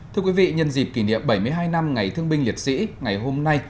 thưa quý vị nhân dịp kỷ niệm bảy mươi hai năm ngày thương binh liệt sĩ ngày hôm nay